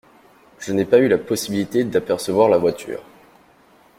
Je n’ai pas eu la possibilité d’apercevoir la voiture.